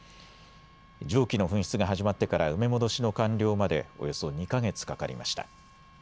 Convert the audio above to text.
蒸気の噴出が始まってから埋め戻しの完了までおよそ２か月かかりました。